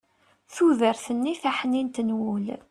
tudert-nni taḥnint n wul